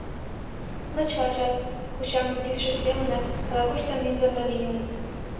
Но чылажат, кочамын тӱсшӧ семынак, ала-кушто мӱндырнӧ лийыныт.